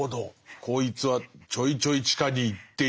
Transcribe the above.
こいつはちょいちょい地下に行っているし。